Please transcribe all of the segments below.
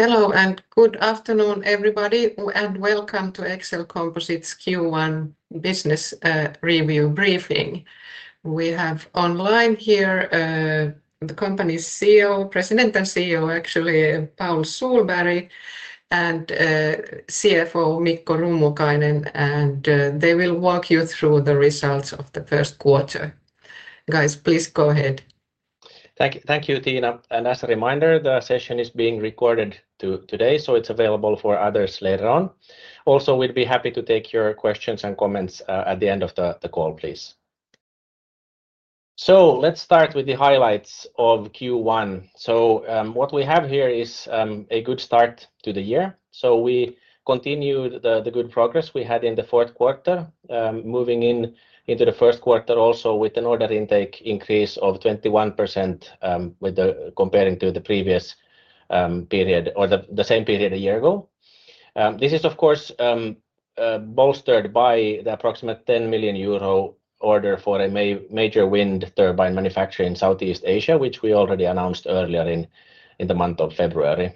Hello and good afternoon, everybody, and Welcome to Exel Composites Q1 Business Review Briefing. We have online here the company's President and CEO, Paul Sohlberg, and CFO Mikko Rummukainen, and they will walk you through the results of the first quarter. Guys, please go ahead. Thank you, Tiina. As a reminder, the session is being recorded today, so it is available for others later on. Also, we would be happy to take your questions and comments at the end of the call, please. Let's start with the highlights of Q1. What we have here is a good start to the year. We continue the good progress we had in the fourth quarter, moving into the first quarter also with an order intake increase of 21% compared to the previous period, or the same period a year ago. This is, of course, bolstered by the approximate 10 million euro order for a major wind turbine manufacturer in Southeast Asia, which we already announced earlier in the month of February.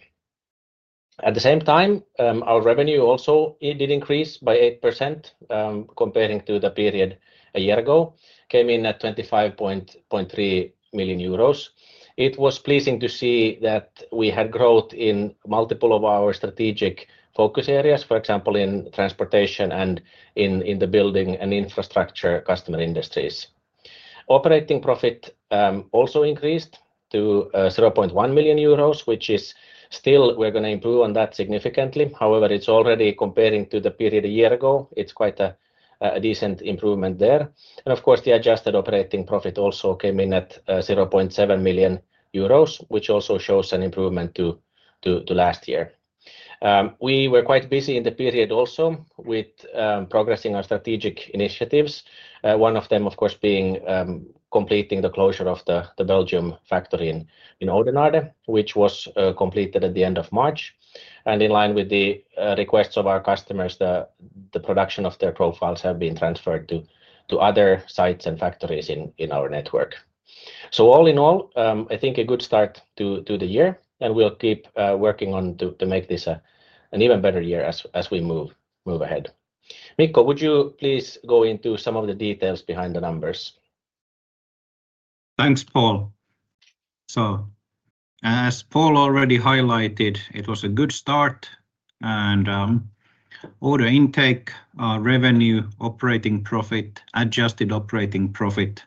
At the same time, our revenue also did increase by 8% compared to the period a year ago, came in at 25.3 million euros. It was pleasing to see that we had growth in multiple of our strategic focus areas, for example, in transportation and in the building and infrastructure customer industries. Operating profit also increased to 0.1 million euros, which is still, we're going to improve on that significantly. However, it's already compared to the period a year ago, it's quite a decent improvement there. Of course, the adjusted operating profit also came in at 0.7 million euros, which also shows an improvement to last year. We were quite busy in the period also with progressing our strategic initiatives, one of them, of course, being completing the closure of the Belgium factory in Oudenaarde, which was completed at the end of March. In line with the requests of our customers, the production of their profiles has been transferred to other sites and factories in our network. All in all, I think a good start to the year, and we'll keep working on to make this an even better year as we move ahead. Mikko, would you please go into some of the details behind the numbers? Thanks, Paul. As Paul already highlighted, it was a good start, and order intake, revenue, operating profit, adjusted operating profit,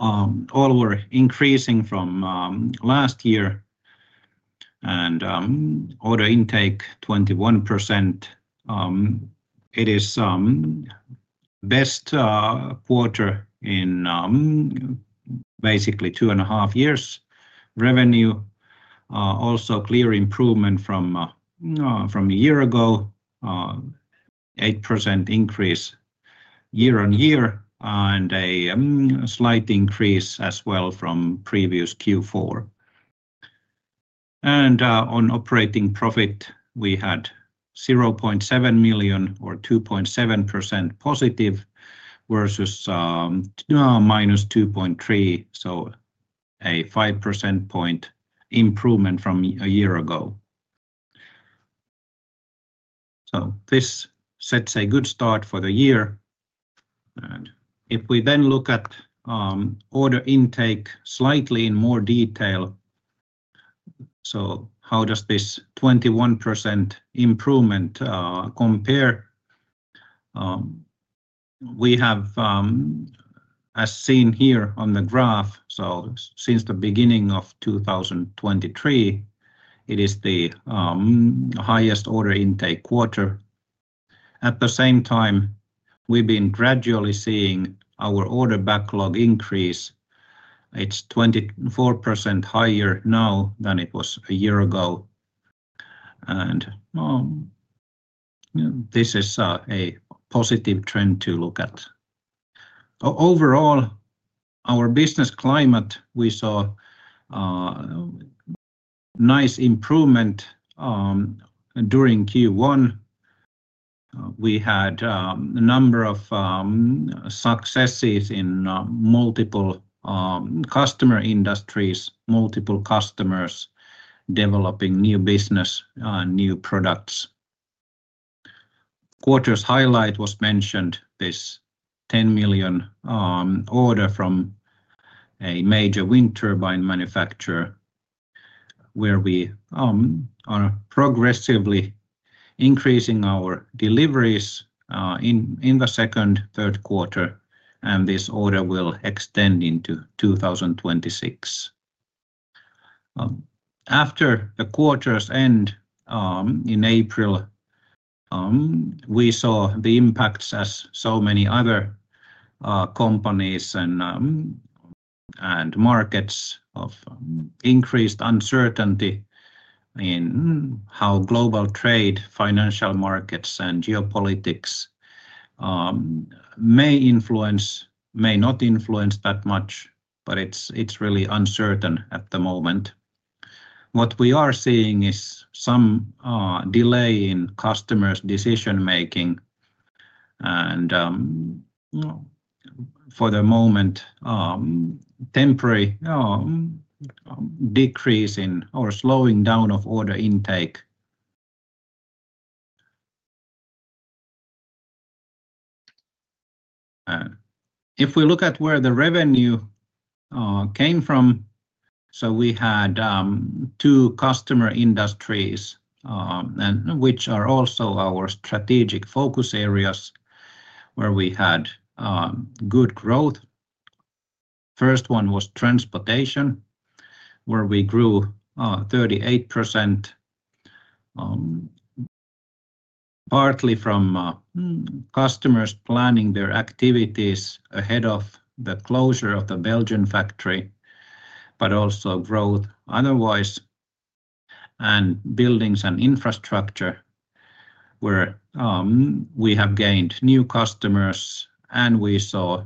all were increasing from last year, and order intake 21%. It is the best quarter in basically two and a half years' revenue. Also clear improvement from a year ago, 8% increase year-on-year, and a slight increase as well from previous Q4. On operating profit, we had EUR 0.7 million, or 2.7% positive, versus -2.3%, so a 5 percent point improvement from a year ago. This sets a good start for the year. If we then look at order intake slightly in more detail, how does this 21% improvement compare? We have, as seen here on the graph, since the beginning of 2023, it is the highest order intake quarter. At the same time, we have been gradually seeing our order backlog increase. is 24% higher now than it was a year ago. This is a positive trend to look at. Overall, our business climate, we saw nice improvement during Q1. We had a number of successes in multiple customer industries, multiple customers developing new business and new products. Quarter's highlight was mentioned, this 10 million order from a major wind turbine manufacturer, where we are progressively increasing our deliveries in the second, third quarter, and this order will extend into 2026. After the quarter's end in April, we saw the impacts, as so many other companies and markets, of increased uncertainty in how global trade, financial markets, and geopolitics may influence, may not influence that much, but it is really uncertain at the moment. What we are seeing is some delay in customers' decision-making, and for the moment, temporary decrease in or slowing down of order intake. If we look at where the revenue came from, we had two customer industries, which are also our strategic focus areas, where we had good growth. The first one was transportation, where we grew 38%, partly from customers planning their activities ahead of the closure of the Belgian factory, but also growth otherwise, and buildings and infrastructure, where we have gained new customers, and we saw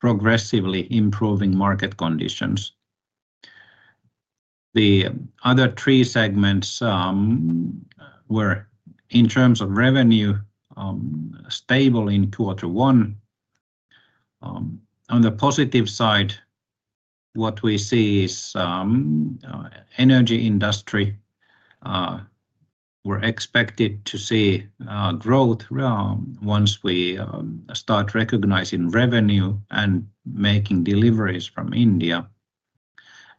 progressively improving market conditions. The other three segments were, in terms of revenue, stable in Q1. On the positive side, what we see is the energy industry. We are expected to see growth once we start recognizing revenue and making deliveries from India,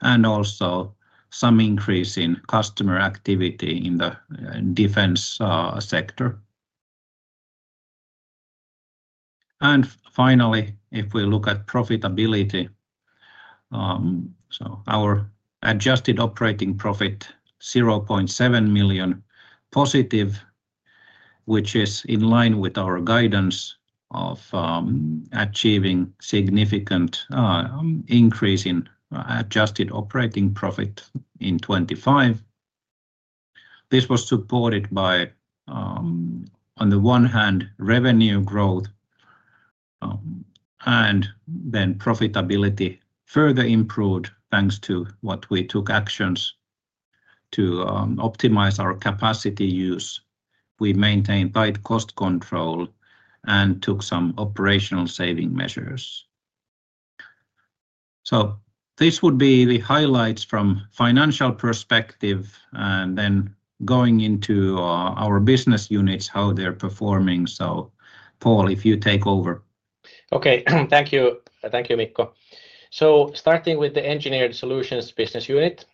and also some increase in customer activity in the defense sector. Finally, if we look at profitability, our adjusted operating profit, 0.7 million, positive, which is in line with our guidance of achieving significant increase in adjusted operating profit in 2025. This was supported by, on the one hand, revenue growth, and then profitability further improved thanks to what we took actions to optimize our capacity use. We maintained tight cost control and took some operational saving measures. These would be the highlights from a financial perspective, and then going into our business units, how they're performing. Paul, if you take over. Okay, thank you. Thank you, Mikko. Starting with the engineered solutions business unit,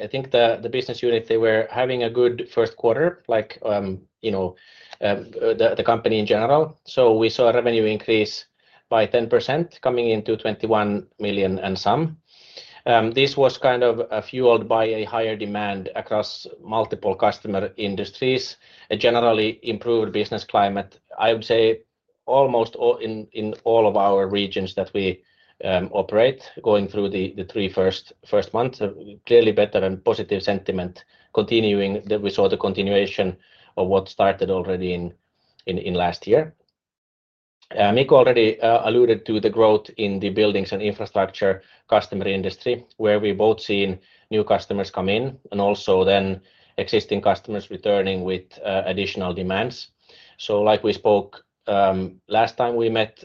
I think the business unit, they were having a good first quarter, like the company in general. We saw a revenue increase by 10% coming into 21 million and some. This was kind of fueled by a higher demand across multiple customer industries, a generally improved business climate, I would say almost in all of our regions that we operate, going through the three first months, clearly better than positive sentiment, continuing that we saw the continuation of what started already in last year. Mikko already alluded to the growth in the buildings and infrastructure customer industry, where we both seen new customers come in, and also then existing customers returning with additional demands. Like we spoke last time we met,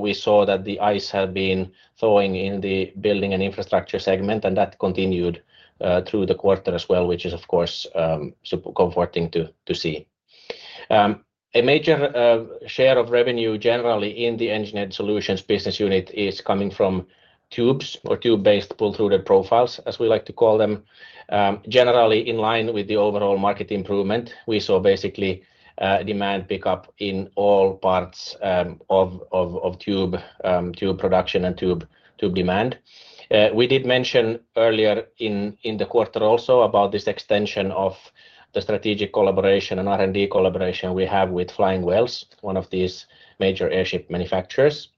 we saw that the ice had been thawing in the building and infrastructure segment, and that continued through the quarter as well, which is, of course, comforting to see. A major share of revenue generally in the engineered solutions business unit is coming from tubes or tube-based pull-through profiles, as we like to call them, generally in line with the overall market improvement. We saw basically demand pickup in all parts of tube production and tube demand. We did mention earlier in the quarter also about this extension of the strategic collaboration and R&D collaboration we have with FLYING WHALES, one of these major airship manufacturers,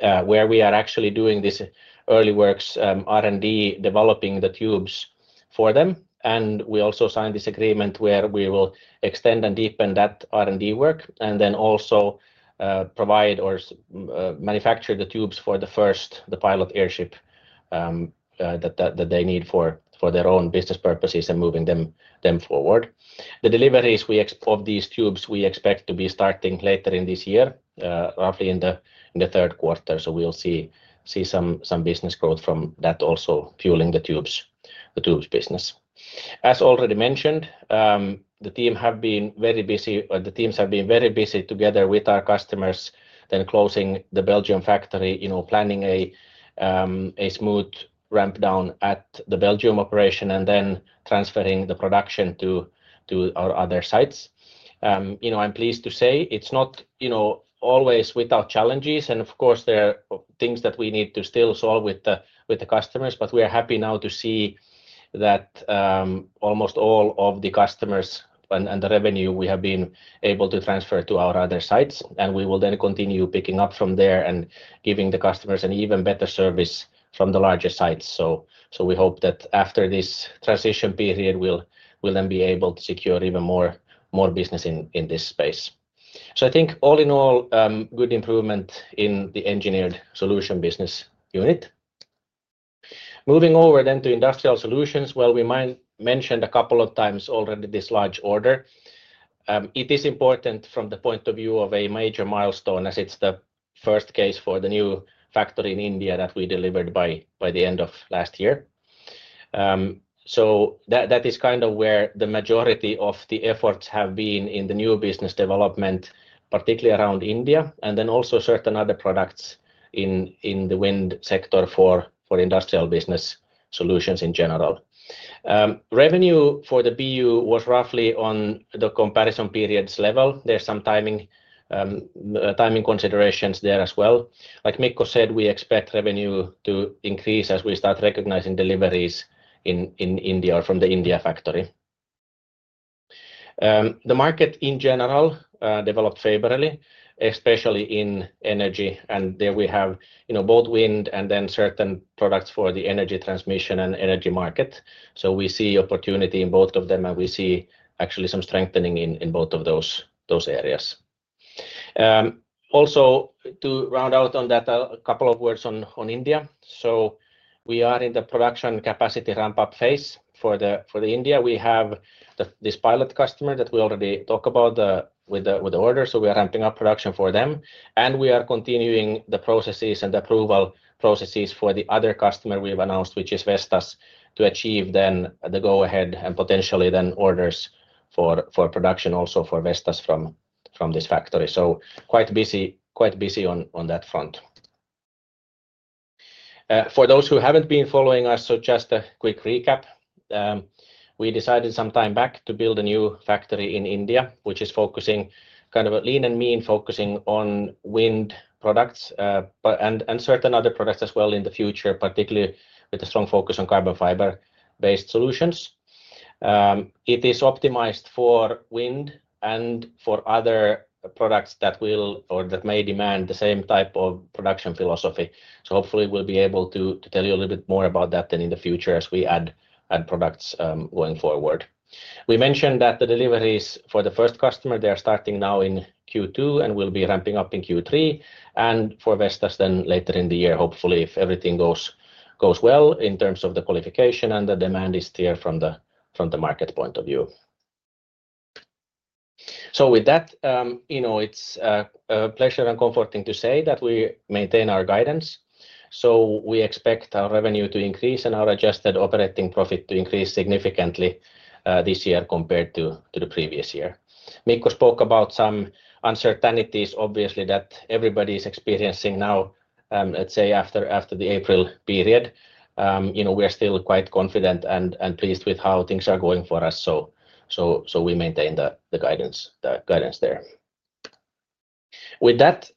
where we are actually doing this early works R&D developing the tubes for them. We also signed this agreement where we will extend and deepen that R&D work, and then also provide or manufacture the tubes for the first pilot airship that they need for their own business purposes and moving them forward. The deliveries of these tubes we expect to be starting later in this year, roughly in the third quarter. We will see some business growth from that also fueling the tubes business. As already mentioned, the team have been very busy, the teams have been very busy together with our customers, closing the Belgian factory, planning a smooth ramp down at the Belgium operation, and transferring the production to our other sites. I'm pleased to say it's not always without challenges, and of course, there are things that we need to still solve with the customers, but we are happy now to see that almost all of the customers and the revenue we have been able to transfer to our other sites, and we will then continue picking up from there and giving the customers an even better service from the larger sites. We hope that after this transition period, we'll then be able to secure even more business in this space. I think all in all, good improvement in the engineered solution business unit. Moving over to industrial solutions, we mentioned a couple of times already this large order. It is important from the point of view of a major milestone, as it's the first case for the new factory in India that we delivered by the end of last year. That is kind of where the majority of the efforts have been in the new business development, particularly around India, and then also certain other products in the wind sector for industrial business solutions in general. Revenue for the BU was roughly on the comparison period's level. There are some timing considerations there as well. Like Mikko said, we expect revenue to increase as we start recognizing deliveries in India or from the India factory. The market in general developed favorably, especially in energy, and there we have both wind and then certain products for the energy transmission and energy market. We see opportunity in both of them, and we see actually some strengthening in both of those areas. Also, to round out on that, a couple of words on India. We are in the production capacity ramp-up phase for India. We have this pilot customer that we already talked about with the order, so we are ramping up production for them, and we are continuing the processes and approval processes for the other customer we have announced, which is Vestas, to achieve then the go-ahead and potentially then orders for production also for Vestas from this factory. Quite busy on that front. For those who have not been following us, just a quick recap. We decided some time back to build a new factory in India, which is focusing kind of lean and mean, focusing on wind products and certain other products as well in the future, particularly with a strong focus on carbon fiber-based solutions. It is optimized for wind and for other products that may demand the same type of production philosophy. Hopefully we'll be able to tell you a little bit more about that in the future as we add products going forward. We mentioned that the deliveries for the first customer, they are starting now in Q2 and will be ramping up in Q3, and for Vestas then later in the year, hopefully if everything goes well in terms of the qualification and the demand is clear from the market point of view. With that, it's a pleasure and comforting to say that we maintain our guidance. We expect our revenue to increase and our adjusted operating profit to increase significantly this year compared to the previous year. Mikko spoke about some uncertainties, obviously, that everybody is experiencing now, let's say after the April period. We are still quite confident and pleased with how things are going for us, so we maintain the guidance there. With that,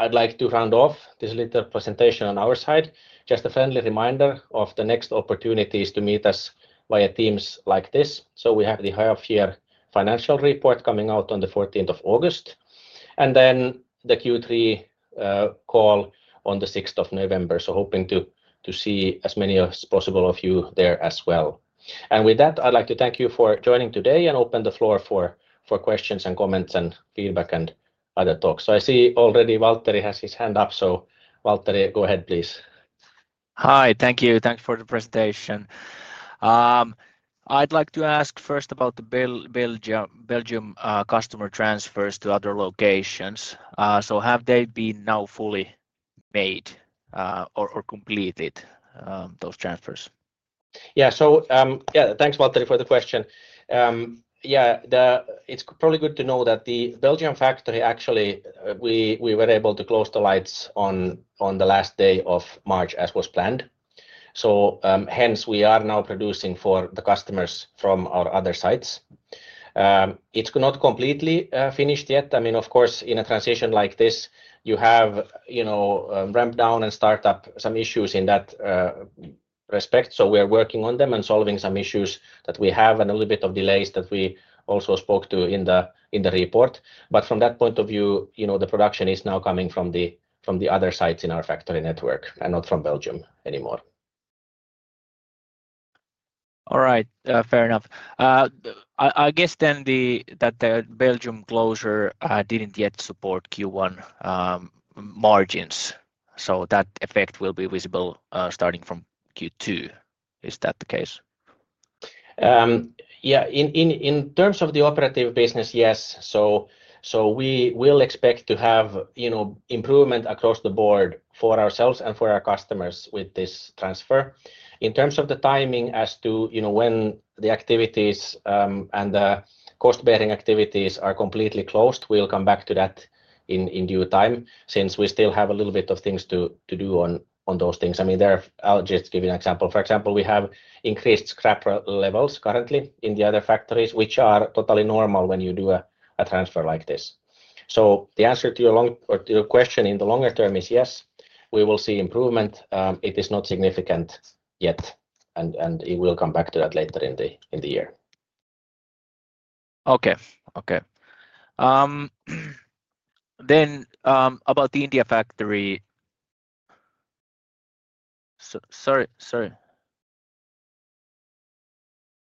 I'd like to round off this little presentation on our side. Just a friendly reminder of the next opportunities to meet us via Teams like this. We have the half-year financial report coming out on the 14th of August, and then the Q3 call on the 6th of November. Hoping to see as many as possible of you there as well. With that, I'd like to thank you for joining today and open the floor for questions and comments and feedback and other talks. I see already Valteri has his hand up, so Valteri, go ahead please. Hi, thank you. Thanks for the presentation. I'd like to ask first about the Belgium customer transfers to other locations. Have they been now fully made or completed, those transfers? Yeah, so yeah, thanks Valteri for the question. Yeah, it's probably good to know that the Belgian factory actually we were able to close the lights on the last day of March as was planned. Hence we are now producing for the customers from our other sites. It's not completely finished yet. I mean, of course, in a transition like this, you have ramp down and start up some issues in that respect. I mean, we are working on them and solving some issues that we have and a little bit of delays that we also spoke to in the report. From that point of view, the production is now coming from the other sites in our factory network and not from Belgium anymore. All right, fair enough. I guess then that the Belgium closure did not yet support Q1 margins, so that effect will be visible starting from Q2. Is that the case? Yeah, in terms of the operative business, yes. We will expect to have improvement across the board for ourselves and for our customers with this transfer. In terms of the timing as to when the activities and the cost-bearing activities are completely closed, we'll come back to that in due time since we still have a little bit of things to do on those things. I mean, I'll just give you an example. For example, we have increased scrap levels currently in the other factories, which are totally normal when you do a transfer like this. The answer to your question in the longer term is yes, we will see improvement. It is not significant yet, and we'll come back to that later in the year. Okay. Then about the India factory. Sorry,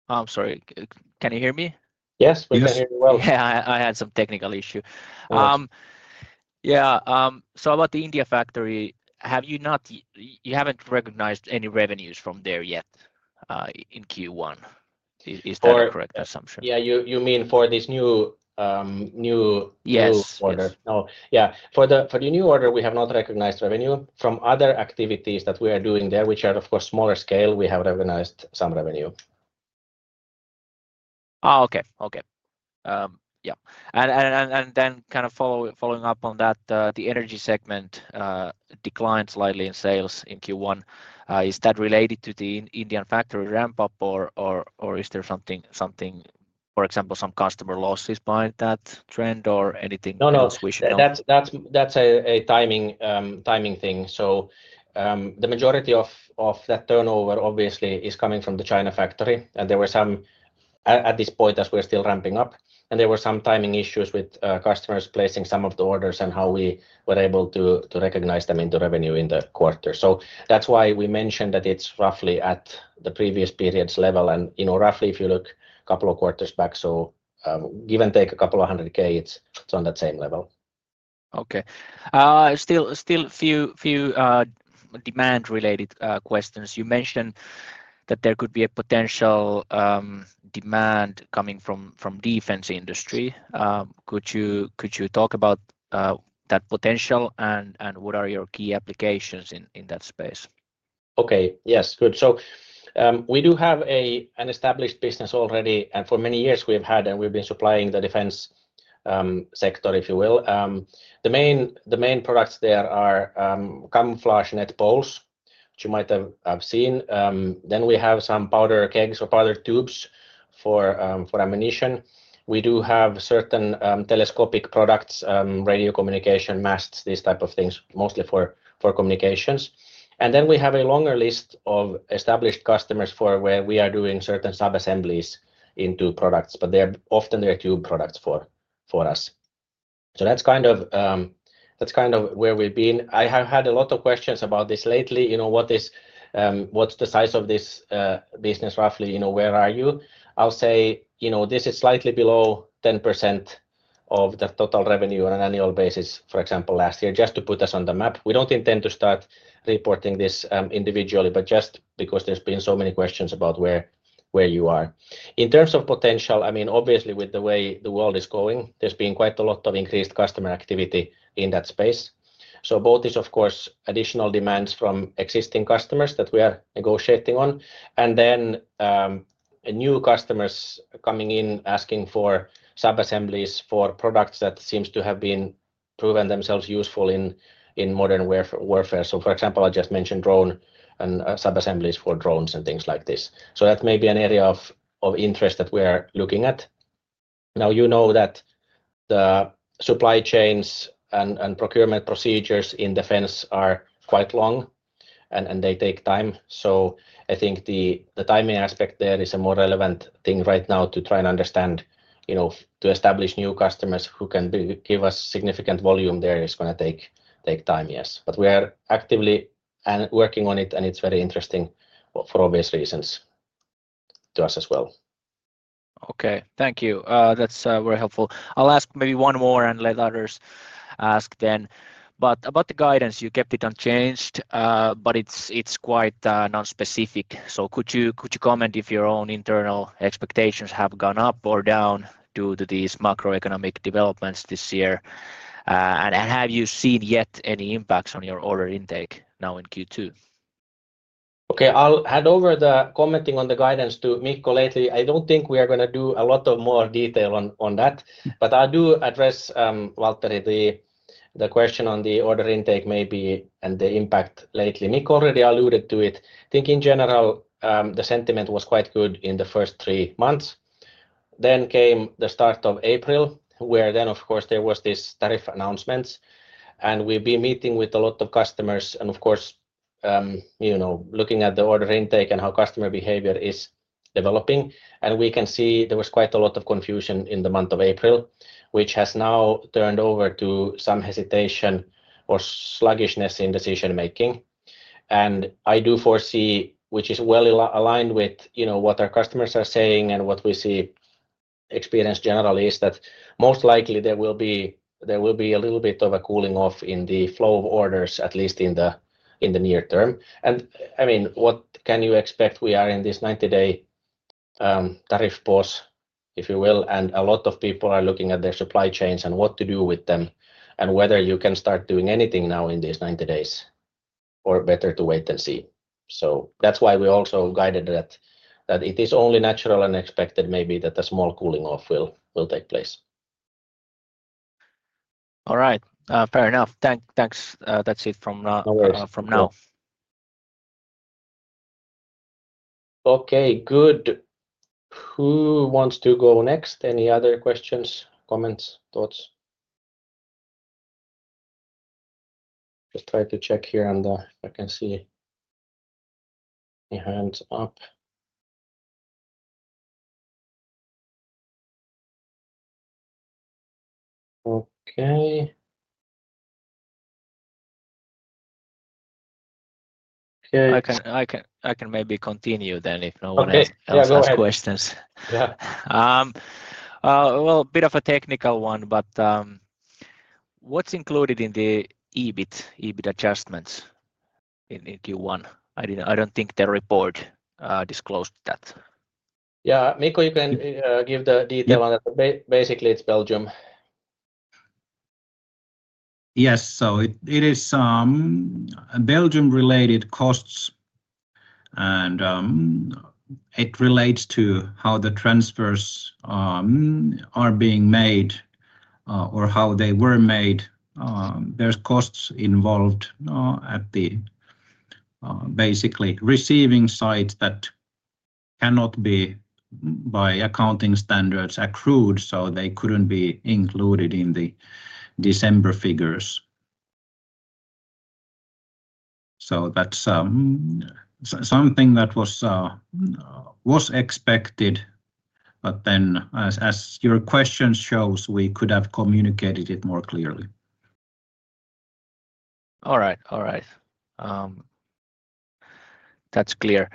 I'm sorry, can you hear me? Yes, we can hear you well. Yeah, I had some technical issue. Yeah, so about the India factory, have you not, you haven't recognized any revenues from there yet in Q1? Is that a correct assumption? Yeah, you mean for this new order? Yes. Yeah, for the new order, we have not recognized revenue. From other activities that we are doing there, which are of course smaller scale, we have recognized some revenue. Oh, okay, okay. Yeah, and then kind of following up on that, the energy segment declined slightly in sales in Q1. Is that related to the Indian factory ramp-up, or is there something, for example, some customer losses by that trend or anything else we should know? No, no, that's a timing thing. The majority of that turnover, obviously, is coming from the China factory, and there were some at this point as we're still ramping up, and there were some timing issues with customers placing some of the orders and how we were able to recognize them into revenue in the quarter. That's why we mentioned that it's roughly at the previous period's level, and roughly if you look a couple of quarters back, give and take a couple of hundred K, it's on that same level. Okay, still a few demand-related questions. You mentioned that there could be a potential demand coming from the defense industry. Could you talk about that potential and what are your key applications in that space? Okay, yes, good. We do have an established business already, and for many years we have had, and we've been supplying the defense sector, if you will. The main products there are camouflage net poles, which you might have seen. Then we have some powder tubes for ammunition. We do have certain telescopic products, radio communication masts, these type of things, mostly for communications. We have a longer list of established customers for where we are doing certain sub-assemblies into products, but they're often tube products for us. That is kind of where we've been. I have had a lot of questions about this lately. What's the size of this business roughly? Where are you? I'll say this is slightly below 10% of the total revenue on an annual basis, for example, last year, just to put us on the map. We don't intend to start reporting this individually, but just because there's been so many questions about where you are. In terms of potential, I mean, obviously with the way the world is going, there's been quite a lot of increased customer activity in that space. Both is, of course, additional demands from existing customers that we are negotiating on, and then new customers coming in asking for sub-assemblies for products that seem to have proven themselves useful in modern warfare. For example, I just mentioned drone and sub-assemblies for drones and things like this. That may be an area of interest that we are looking at. Now, you know that the supply chains and procurement procedures in defense are quite long, and they take time. I think the timing aspect there is a more relevant thing right now to try and understand, to establish new customers who can give us significant volume there is going to take time, yes. But we are actively working on it, and it's very interesting for obvious reasons to us as well. Okay, thank you. That's very helpful. I'll ask maybe one more and let others ask then. About the guidance, you kept it unchanged, but it's quite non-specific. Could you comment if your own internal expectations have gone up or down due to these macroeconomic developments this year? Have you seen yet any impacts on your order intake now in Q2? Okay, I'll hand over the commenting on the guidance to Mikko lately. I don't think we are going to do a lot of more detail on that, but I'll do address, Valteri, the question on the order intake maybe and the impact lately. Mikko already alluded to it. I think in general, the sentiment was quite good in the first three months. Then came the start of April, where, of course, there was this tariffs announcement, and we've been meeting with a lot of customers and, of course, looking at the order intake and how customer behavior is developing. We can see there was quite a lot of confusion in the month of April, which has now turned over to some hesitation or sluggishness in decision-making. I do foresee, which is well aligned with what our customers are saying and what we see experienced generally, is that most likely there will be a little bit of a cooling off in the flow of orders, at least in the near term. I mean, what can you expect? We are in this 90-day tariffs pause, if you will, and a lot of people are looking at their supply chains and what to do with them and whether you can start doing anything now in these 90-days or better to wait and see. That is why we also guided that it is only natural and expected maybe that a small cooling off will take place. All right, fair enough. Thanks. That's it from now. Okay, good. Who wants to go next? Any other questions, comments, thoughts? Just trying to check here on the, if I can see any hands up. Okay. I can maybe continue then if no one else has questions. Yeah, go ahead. A bit of a technical one, but what's included in the EBIT adjustments in Q1? I don't think the report disclosed that. Yeah, Mikko, you can give the detail on that. Basically, it's Belgium. Yes, so it is Belgium-related costs, and it relates to how the transfers are being made or how they were made. There are costs involved at the basically receiving sites that cannot be, by accounting standards, accrued, so they could not be included in the December figures. That is something that was expected, but then as your question shows, we could have communicated it more clearly. All right, all right. That's clear.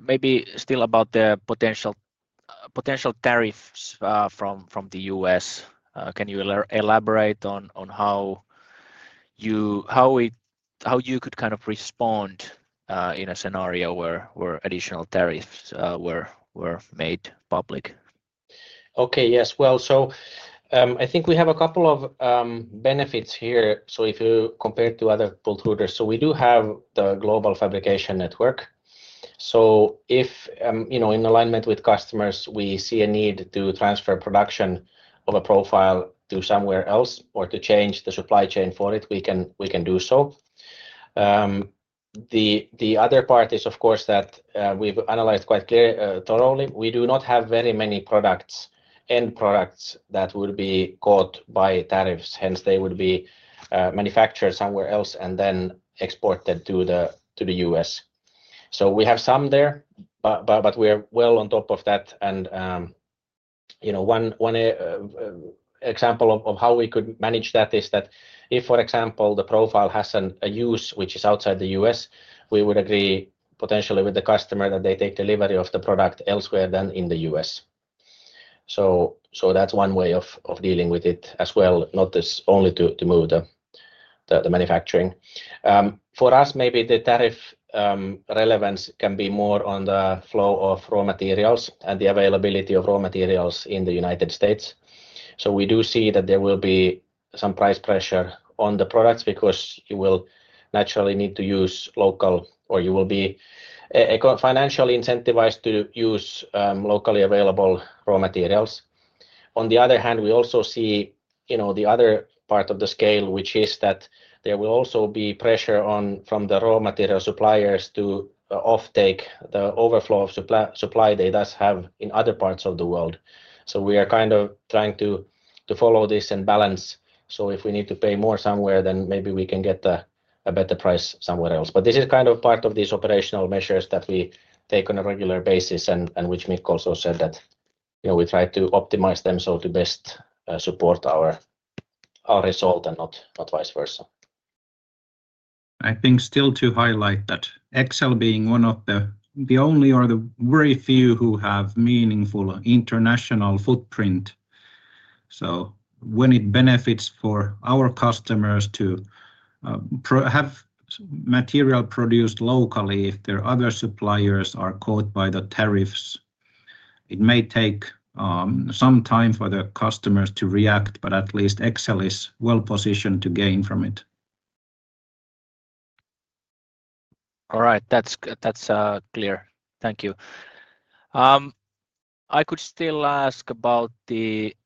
Maybe still about the potential tariffs from the U.S. Can you elaborate on how you could kind of respond in a scenario where additional tariffs were made public? Okay, yes. I think we have a couple of benefits here. If you compare it to other pultruders, we do have the global fabrication network. If, in alignment with customers, we see a need to transfer production of a profile to somewhere else or to change the supply chain for it, we can do so. The other part is, of course, that we've analyzed quite thoroughly. We do not have very many products and products that would be caught by tariffs, hence they would be manufactured somewhere else and then exported to the U.S. We have some there, but we are well on top of that. One example of how we could manage that is that if, for example, the profile has a use which is outside the U.S., we would agree potentially with the customer that they take delivery of the product elsewhere than in the U.S. That one way of dealing with it as well, not only to move the manufacturing. For us, maybe the tariff relevance can be more on the flow of raw materials and the availability of raw materials in the United States. We do see that there will be some price pressure on the products because you will naturally need to use local or you will be financially incentivized to use locally available raw materials. On the other hand, we also see the other part of the scale, which is that there will also be pressure from the raw material suppliers to offtake the overflow of supply they do have in other parts of the world. We are kind of trying to follow this and balance. If we need to pay more somewhere, then maybe we can get a better price somewhere else. This is kind of part of these operational measures that we take on a regular basis and which Mikko also said that we try to optimize them to best support our result and not vice versa. I think still to highlight that Exel being one of the only or the very few who have meaningful international footprint. So when it benefits for our customers to have material produced locally, if their other suppliers are caught by the tariffs, it may take some time for the customers to react, but at least Exel is well positioned to gain from it. All right, that's clear. Thank you. I could still ask about the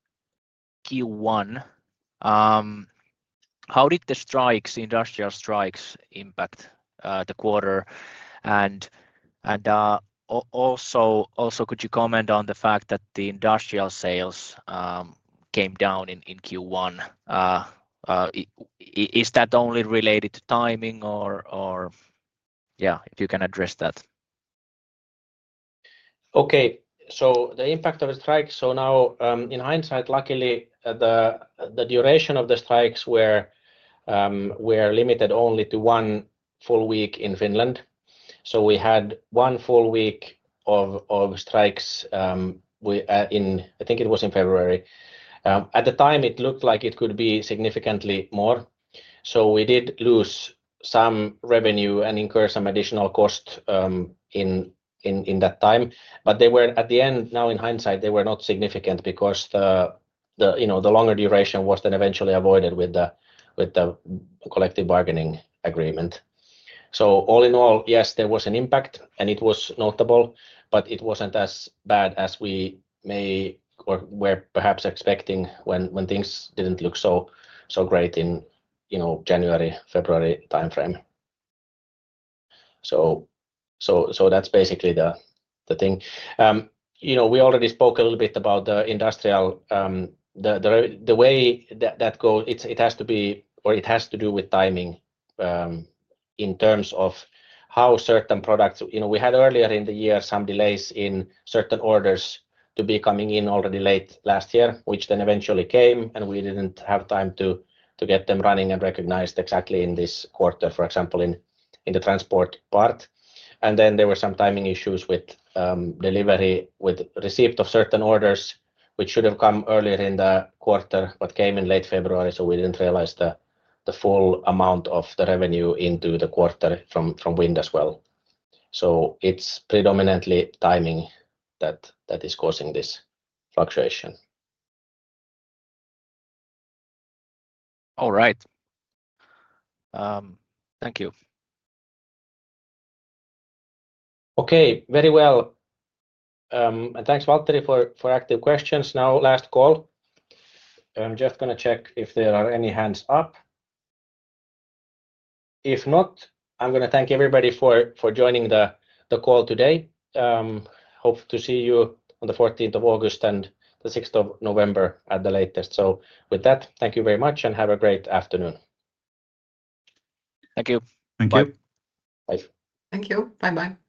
Q1. How did the strikes, industrial strikes, impact the quarter? Also, could you comment on the fact that the industrial sales came down in Q1? Is that only related to timing or, yeah, if you can address that? Okay, so the impact of the strikes, so now in hindsight, luckily the duration of the strikes were limited only to one full week in Finland. We had one full week of strikes in, I think it was in February. At the time, it looked like it could be significantly more. We did lose some revenue and incur some additional cost in that time, but they were at the end, now in hindsight, they were not significant because the longer duration was then eventually avoided with the collective bargaining agreement. All in all, yes, there was an impact and it was notable, but it was not as bad as we may or were perhaps expecting when things did not look so great in January, February timeframe. That is basically the thing. We already spoke a little bit about the industrial, the way that goes, it has to be or it has to do with timing in terms of how certain products. We had earlier in the year some delays in certain orders to be coming in already late last year, which then eventually came, and we did not have time to get them running and recognized exactly in this quarter, for example, in the transport part. There were some timing issues with delivery with receipt of certain orders, which should have come earlier in the quarter, but came in late February, so we did not realize the full amount of the revenue into the quarter from wind as well. It is predominantly timing that is causing this fluctuation. All right. Thank you. Okay, very well. And thanks, Valteri, for active questions. Now, last call. I'm just going to check if there are any hands up. If not, I'm going to thank everybody for joining the call today. Hope to see you on the 14th of August and the 6th of November at the latest. With that, thank you very much and have a great afternoon. Thank you. Thank you. Bye. Thank you. Bye-bye.